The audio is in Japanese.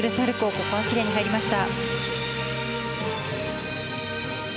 ここはきれいに入りました。